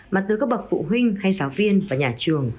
mà từ các bậc phụ huynh hay giáo viên và nhà trường